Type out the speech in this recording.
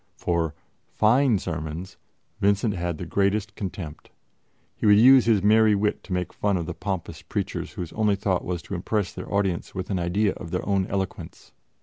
For "fine sermons" Vincent had the greatest contempt; he would use his merry wit to make fun of the pompous preachers whose only thought was to impress their audience with an idea of their own eloquence.